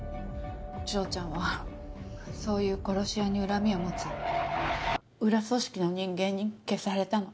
丈ちゃんはそういう殺し屋に恨みを持つ裏組織の人間に消されたの。